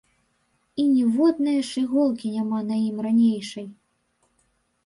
І ніводнае ж іголкі няма на ім ранейшай.